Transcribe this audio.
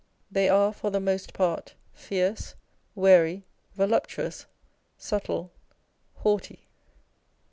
They are, for the most part, fierce, wary, voluptuous, subtle, haughty.